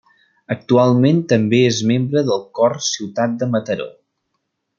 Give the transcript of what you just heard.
Actualment també és membre del Cor Ciutat de Mataró.